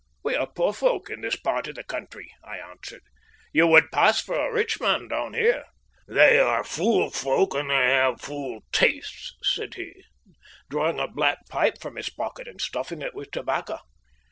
"We are poor folk in this part of the country," I answered. "You would pass for a rich man down here." "They are fool folk and they have fool tastes," said he, drawing a black pipe from his pocket and stuffing it with tobacco.